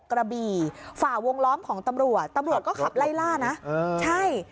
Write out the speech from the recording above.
กระบี่ฝ่าวงล้อมของตำรวจตำรวจก็ขับไล่ล่านะใช่